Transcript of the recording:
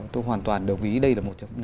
tôi hoàn toàn đồng ý đây là một trong